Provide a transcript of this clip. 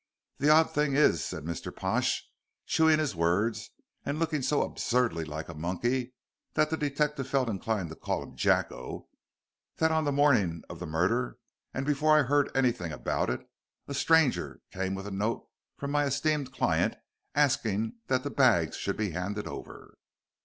"The odd thing is," said Mr. Pash, chewing his words, and looking so absurdly like a monkey that the detective felt inclined to call him "Jacko," "that on the morning of the murder, and before I heard anything about it, a stranger came with a note from my esteemed client asking that the bags should be handed over."